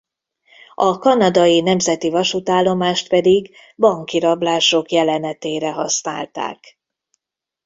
A kanadai nemzeti vasútállomást pedig banki rablások jelenetére használták.